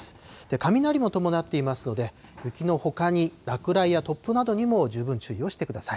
雷も伴っていますので、雪のほかに落雷や突風などにも十分注意をしてください。